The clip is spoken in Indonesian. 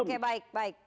oke baik baik